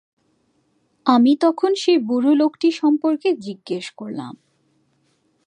আমি তখন সেই বুড়ো লোকটি সম্পর্কে জিজ্ঞেস করলাম।